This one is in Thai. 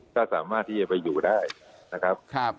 ก็สามารถที่จะไปอยู่ได้นะครับ